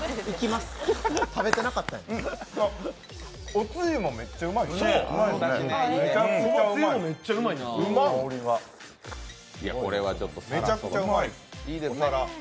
おつゆもめっちゃうまいですね。